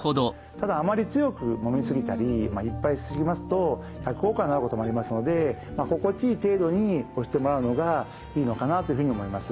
ただあまり強くもみ過ぎたりいっぱいし過ぎますと逆効果になることもありますので心地いい程度に押してもらうのがいいのかなというふうに思います。